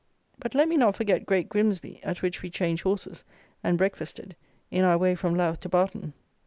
But let me not forget Great Grimsby, at which we changed horses, and breakfasted, in our way from Louth to Barton.